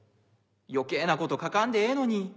余計なこと書かんでええのに。